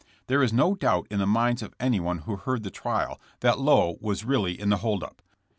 There is no doubt in the minds of anyone who heard the trial that Lowe was really in the hold up.